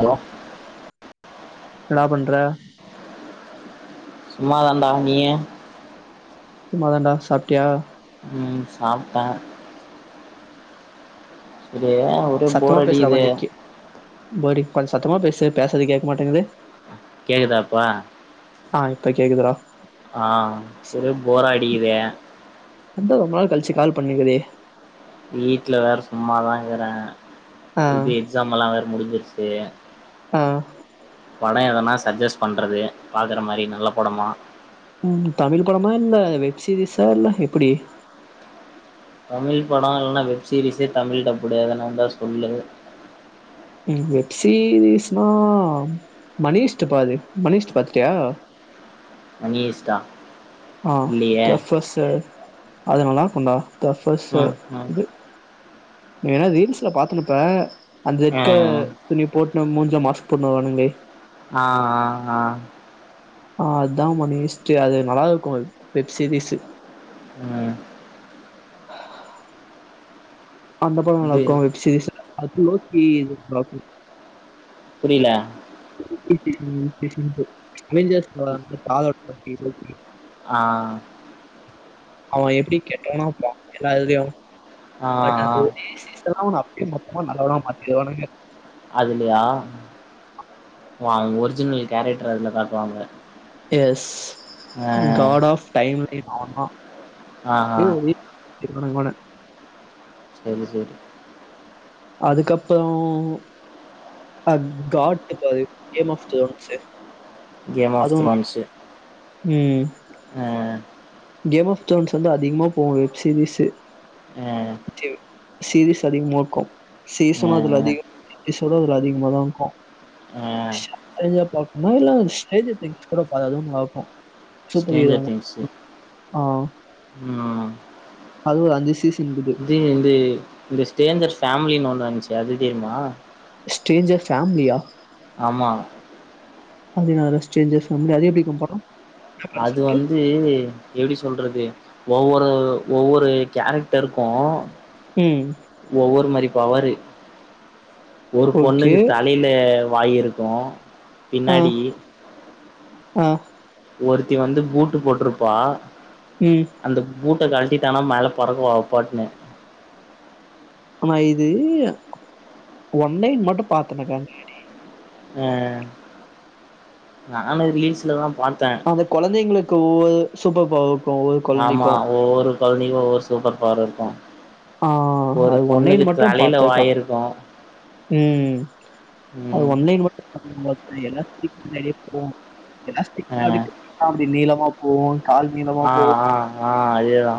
Hello என்னடா பண்ற சும்மாதான்டா நீயு சும்மாதான்டா சாப்ட்டியா ம் சாப்ட்ட ஏ ஒரே சத்தமா போர் பேசுடா அடிக்குது கொஞ்ச கே போடி கொஞ்ச சத்தமா பேசு பேசறது கேக்க மாட்டங்குது கேக்குதா இப்ப ஆ இப்ப கேக்குதுடா ஆஹ் ஒரே போர் அடிக்குதெ ஒம்ப ஒரு நாள் கழிச்சு கால் பண்ணிருக்கெ வீட்டுல வேற சும்மாதா இருக்றே ஆ இது எக்ஸாம்பல்ல முடிஞ்சிருச்சு ஆஹ். படம் எதனா சஜஸ்ட் பண்றது பாக்குற மாதிரி நல்ல படமா உம் தமிழ் படமா இல்ல வெப் சீரிஸா இல்ல எப்டி தமிழ் படம் இல்லனா வெப் சீரிஸே தமிழ் டபுள் எதனா இருந்தா சொல்லு வெப்சீரிஸ்னா மணிஷ்டு பாரு மணிஷ்டு பாத்துட்டியா மணி ஈஸ்ட்டா ஆஹ் தபெஸ் ச அது நல்லா இருக்கு டா தபெஸ்ச ம் ம் நீ என்னா ரீஸ்ல பாத்துனுப்ப அந்த ரெட் கலர் ம் துணி போட்டு மூ மாஸ் போட்டு வருவாங்களே ஆஹ் ஆஹ் ஆஹ். ஆஹ் அதான் மனிஷ்ட்டு அது நல்லா இருக்கு வெப் சீரிஸ்சு உம். ஆ அந்த படம் நல்ல இது இருக்கு வெப்சீரிஸ்ல ப்லோ டி சுப்ரா புரில [unintelligible] அவெஞ்சர்ஸ் படோம் [unintelligible] [unintelligible] ஆஹ். அவன் எப்டி கெட்டோவனாருப்ப எல்லாதிலுவு ஆ பட் ஆ ஒரே சீசன் தா [unintelligible] மொத்தமா நல்லவணா மாத்திருவானுங்க அதுலையா வாங்க ஒரிஜினல் கேரக்டர் அதுல பாக்குவாங்க ஸ் காட் ஆஃப் டைம் லை அவன் தா ஆ ஆ [unintelligible] இவன இவன செரி செரி. அதுக்கப்றோ அஹ காட் பாரு கேம் ஆப் தோன்ஸூ கேம் ஆஃப் தொரன்சு ஹம். ஆஹ் கேம் ஆஃப் தோன்ஸ் வந்து அதிகமா போவு வெப் சீரிஸூ ஏ சீரிஸ் அதிகமா இருக்கோ சீசனு அதுல அதிகோ எபிசோடு அதுல அதிகமா தா இருக்கோ ஆ அதுலா பாக்குமா இல்ல ஸ்ட்ரேஞ்ஜர் திங்க் கூட அதுவு ஒன்னு பாக்கோ ஸ்டேஞ்சர் திங்ஸு ஆஹ் உம் ஆஹ் இருக்குது. இது இந்து இந்த ஸ்டேஞ்சர் ஃபேமிலின்னு ஒன்னு வந்ச்சு அது தெயுமா ஸ்ட்ரேஞ்சர் ஃபேமிலியா ஆமா அதனால சேஞ்சர்ஸ் ஃபேமிலி அது எப்படிக்கும் வரோ அது வந்து எப்டி சொல்றது ஒவ்வொரு ஒவ்வொரு கேரக்டருக்கோ உம் ஒவ்வொரு மாரி பவரு ஒரு ஓகே. பொண்ணுக்கு தலையில வாயிருக்கு ஆ, பின்னாடி ஆ, ஒருத்தி வந்து பூட்டு போட்ருப்பா ம். அந்த பூட் பூட் கழட்டிடானா மேல பறகுவா அவப்பாட்டுனு ஆனா இது ஒன் நைன் மட்டு பாத்தனக்காங் அஹ் நானு ரீல்ஸ்லதா அந்த குழந்தைங்களுக்கு ஒவ்வொ சூப்பர் பவ ஆமா ஒவ்வொரு குழந்தைக்கோ ஒவ்வொரு சூப்பர் பவர் இருக்கு ஆ ஒரு அது பொண்ணுக்கு ஒன்லைன் தலயில வாய் இருக்கோ உம் அது ஒன்னே ஒன்னு மட்டு எல்லா சுத்தி பின்னாடியே போவோ எலாஸ்டிக்னா அப்டி [unintelligible] நீளம் பாப்போ ஆஹ் ஆஹ் ஆஹ் அதேதா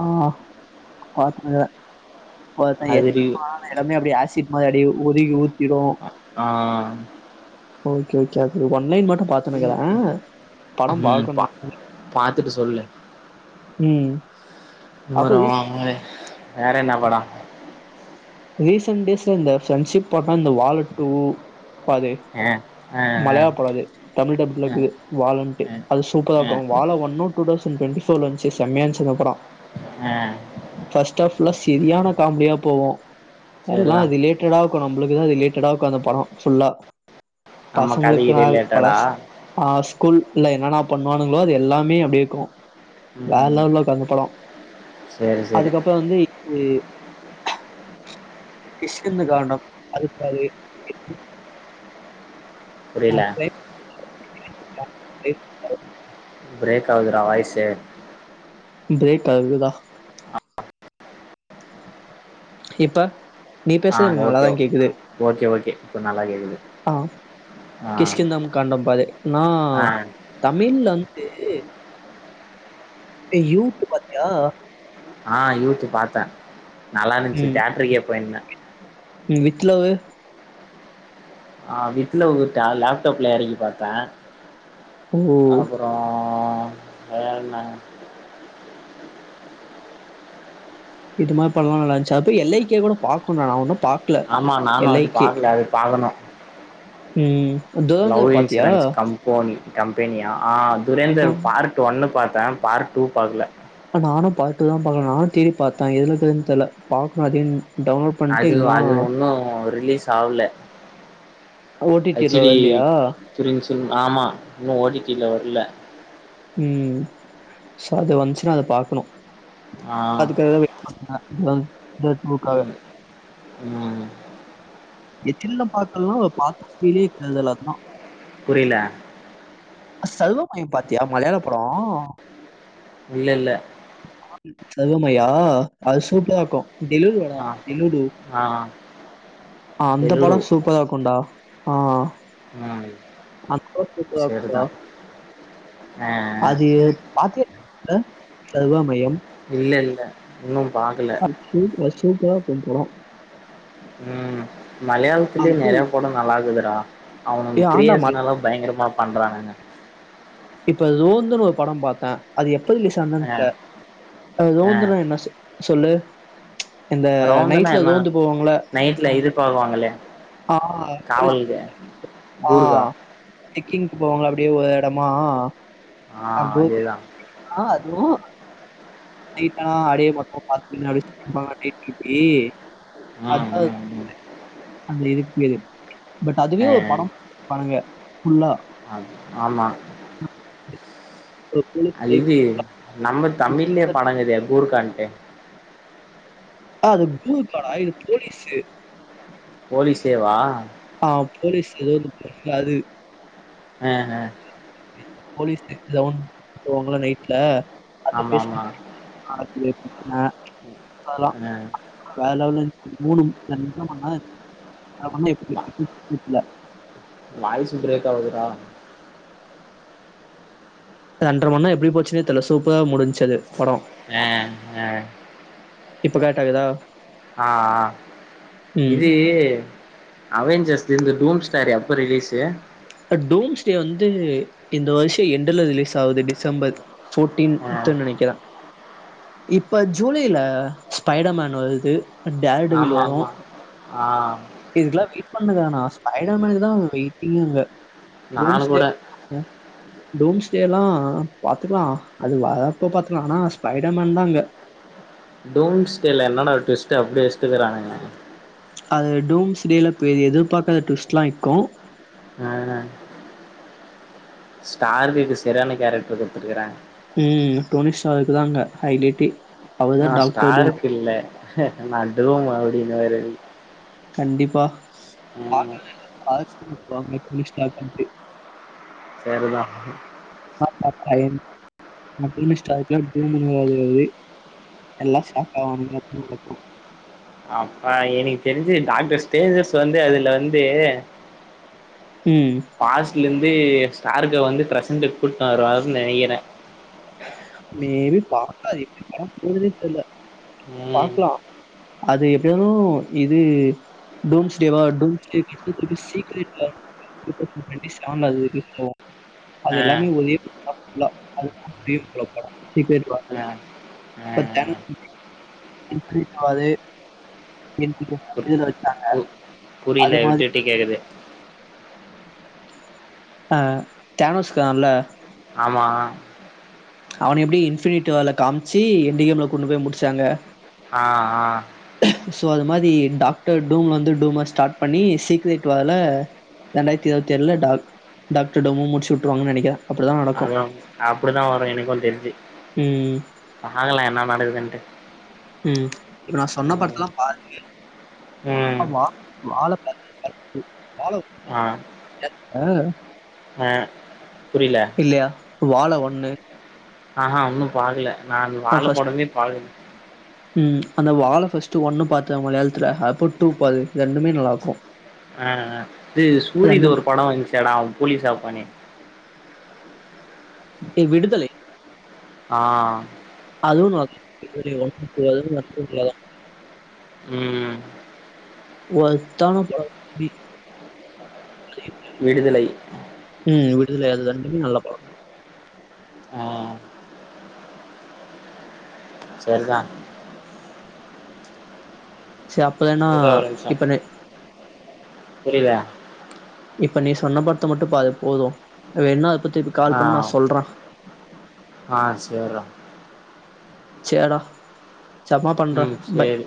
ஆஹ் பா்த்துக்குங்க அது ரி [unintelligible] இடமே அப்படி ஆசிட் [unintelligible] ஆ ஓகே ஓகே அது ஒன்லைன் மட் பாத்துன்னுக்குறே படொ பாக்கணு த்துட்டு சொல்லு ம் அப்ப ரீ [unintelligible] வேற என்னா படொ ரீசன்ட் டேஸ்ல இந்த ஃப்ரெண்ட்ஷிப் போட்ட இந்த [unintelligible] டூ பாது அ அ அ மலயாள படொ அது தமிழ் டப்புல அ இருக்குது வால் ன்ட்டு அ அது அ சூப்பராக்கு வாழ ஒண்ணும் டூ தௌசண்ட் டுவெண்டி [unintelligible] வந்துச்சு செம்மையாந்துச்சு அந்த படொ அ ஃபஸ்ட் ஆஃப் ப்ளஸ் செரியான காமெடியா போவோ எல்லா சரிதா ரிலேட்டடாக்கு நம்புளுக் [unintelligible] ரிலேட்டடாக்கு அந்த படொ ஃபுல்லா நம்ம பசங்களுக்கு கதைக்கு நாள் ரிலேட்டடா [unintelligible] ஆ ஸ்கூல் இல்ல என்னன்னா பண்ணுவானுங்களோ அது எல்லாமே அப்டே க்கு வேற ம் லெவல்லக்கு அந்த படொ சேரி சேரி அதுக்கப்ப வந்து [inaudible] கிஷ்கிந்த காண்டம் அது [unintelligible] புரில [unintelligible] பிரேக் ஆவுதுரா வாய்ஸு பிரேக் ஆகுதுடா இப்ப நீ பேசுறது எனக்கு நல்லாதா கேக்குது இப்ப நல்லா கேக்குது ஆ ஆ கிஷ்கிந்தம் காண்டம் [unintelligible] நா ஆ தமிழ்ல வந்து [inaudible] ஏ யூத்து பாத்தியா ஆ யூத்து பாத்த நல்லாருந்துச்சு தேட்ருக்கே போயிருந்தே ம் வித் லவ்வு ஆ வித் லவ் த லேப்டாப்ல எறக்கி பாத்த ஓ அப்ரோ ஆ வேற என்ன இது மாரி படொலா நல்லாச்சி [unintelligible] கூட பாக்கணு நா இன்னு ஆமா நானு அது பாக்கல அது பாக்கணு ம் லவ் துரந்தர் பாத்தியா? இன்சூரன்ஸ் கம்போனி கம்பெனியா துரேந்தர் ம். பார்ட் ஒன்னு பாத்த பார்ட் டூ பாக்கல நானு பார்டூ தா பாக்கணு நானு தேடி பாத்த எதுலக்குனு தெரில பாக்கணு அதனு அது அது ஒன்னு ரிலீஸ் ஆகல ஓ ஹச் ல டி வரலையா? ஆமா இன்னு ஓடிடில வர்ல ம் அது வந்துச்சுன்னா அது பாக்கணு ஆ அதுக்குற வெயிட் பண்ண ம் ம் [unintelligible] ம் எச் டி பாக்கலன்னா பாத்திலயே கதல தா புரில சர்வமயம் பாத்தியா மலையாள படோ இல்ல இல்ல சர்வமயோ அது சூப்ரா இருக்கு டெல்லூர் வோட ஆ டெல்லூடு ஆ அந்த பெலுடு படம் சூப்பரா இருக்குண்டா ஆ ஆ ம் [unintelligible] சரிதான் அ அது பாத்த சர்வமயம் இல்ல இல்ல இன்னு [unintelligible] ன்றோ ம் மலையாளத்திலயே அது நெறைய படம் நல்லாகுது த அவனுங்க ஏ ஆண்டா ம கிரியேஷன்லா பயங்கரமா பண்றானுங்க ரோந்துனு ஒரு படம் பாத்த அது எப்ப ப்ப ரிலீஸ் ஆனதுன்னு அ தெரில்ல அ ரோந்துனா என்ன சொ சொல்லு [unintelligible] இந்த ரோந்தனா நைட்ல என்ன ரோந்து போவோங்கள நைட்ல இது பாக்குவாங்களே ஆ காவலுக்கு ஆ கூர்கா போவாங்கள அப்டியே ஒரு எடம் மா ஆ அதேதான். ஆ அது ஆயிட்டா அடியே மக்கம் பாத்த [unintelligible] அது ம் ம் ம் அது வே பட் அதுவே அ ஒரு பணம் பண்ணுங்க ஃபுல்லா அது ஆமா. ஒரு போலீஸ் லைஃப். இது நம்ம தமிழ்லயே படங்குதே கூர்க்காண்டு ஆ அது கூர்கா டா இது போலீசு போலிசேவா போலீஸ் எது வந்து போனீங்கள அது ஹ ஹ போலீஸ் ரவ்ண்ட் போவங்கள நைட்ல அது பேஸ் ஆமாமா. பண்ணி ஆ அதல்லா அ வேறலெவல் மூணும் என்ன பண்ண வா [unintelligible] வாய்ஸ் பிரேக் ஆகுதுடா அ ரென்ற மண்னோர எப்டி போச்சுனே தெர்ல சூப்பரா முடிஞ்ச அது படோ அ அ இப்ப கரெட்டாகுதா ஆ ஆ இது அவ ஜஸ் இந்த டூம் ஸ்டார் எப்ப ரிலீசு டோம்ஸ்டே வந்து இந்த வருஷோ எண்டுல ரிலீஸ் ஆகுது டிசம்பர் ஃபோர்டீன்த் ஆ த்துன் நெனைக்கிற இப்ப ஜூலைல ஸ்பைடர்மேன் வருது டேட்வில் ஆமா வரு ஆமா ஆ இதுக்கெல்லா பண்ணுங்க நா ஸ்பைடர் மேனுக்கு தா வெயிட்டிங்குங்க நானு ரூம்ஸ்டே கூட டோம் ஸ்டேல்லா பாத்துக்லா அது வரப்ப பாத்துக்லா ஆனா ஸ்பைடர்மேன் தாங்க டோம்ஸ்டேல என்னென்ன ட்விஸ்ட் அப்டி வெச்சிட்ருக்கானுக அது டூம்ஸ்டேல பெ எதிர்பாக்காத ட்விஸ்ட்ல்லா இருக்கு ஸ்டார் கீட்டு சரியான கேரக்டர் குடுத்துருக்கற ம் டோனி ஷா இது தாங்க ஹைலைட்டே அவர் நா தான் டாக்டர் டூம். ஸ்டார்க் இல்ல நா டூம் அப்டின்னுவாரு கண்டிப்பா ம் [unintelligible] சரிதா பயன் மட்டஷ்டா டூம்ன்னுவாரு எல்லா ஷாக் ஆவானுகோ அப்பா எனக்கு தெரிஞ்சு டாக்டர் ஸ்டேஜர்ஸ் வந்து அதுல வந்து ம். பாஸ்ல இந் து ஸ்டாருக்கு வந்து பிரசண்ட்டு கூப்ட்டு வருவாருன்னு நெனைக்கிறே மேபி பாக்லா எப்டி படோ போதுன்னே தெரியல ம் பாக்லா அது எப்டினாலு இது டூம்ஸ்லேவா டூம்ஸ்லேக்கடுத்து திருப்பி சீக்ரெட்ல [inaudible] டுவென்டி செவன்ல அது ஆ எல்லாமே ஒரே [inaudible] இதுல ஆ ஆ வச்சாங்க புரி பு புரியல அது மாதிரி விட்டுட்டு கேக்குது ஆஹ் தேனோஸ்கான்ல்ல ஆமா அவ எப்பிடி இன்ஃபினிட் வேல காமிச்சு எண்ட்கேம்ல கொண்டு போய் முடிச்சாங்க ஆஹ் ஆஹ் சோ அது மாரி டாக்டர் டூம் வந்து டூம ஸ்டார்ட் பண்ணி சீக்ரட் வால ரெண்டாயிரத்தி இருவத்தேல்ல ட டாக்டர் டூம்ம முடிச்சுவுட்ருவாங்கன்னு நெனைக்கிறே அதுவு அப்பிடிதா வரு எனக்கு தெரி ம். பாக்கலா என்னா நடக்குதுன்ட்டு உம் இப்ப நா சொன்ன படத்தல்லா பாரு உம் வால பாரு பார்ட் டூ பாலோ ஆஹ் த்த ஆஹ் அ இல்லையா வாழ ஒன்னு ஆஹ் ஹா உன்னு பாக்கல நான் வாழ படமே பாக்கல உம் அந்த வாழை ஃபர்ஸ்ட் ஒன்னு பாத்த மலையாளத்துல அப்ப டூப்பாத்த ரெண்டுமே நல்லா இருக்கு ஆஹ் இது சூரிது ஒரு படோ வந்துச்சேடா அவ போலீஸ்சாருப்பானே ஏ விடுதலை ஆஹ் அதுவு நல்லா [inaudible] உம் வொர்த்தான படோ விடுதலை உம் விடுதலை அது ரெண்டுமே நல்லா படோ ஆ சரிதா சரி அப்பலன்னா இருடா ஒரு நிமிஷம் இப்ப நெ புரியல இப்ப நீ சொன்ன படத்த மட்டு பாரு போது வேன்னா [unintelligible] கால் ஆ பண்ணு நா சொல்றே ஆ சேர்றா சேர்ரா உம் சேரி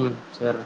உம் செர்